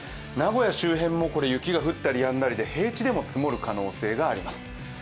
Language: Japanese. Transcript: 名古屋周辺も雪が降ったりやんだりで平地でも積もる可能性があります。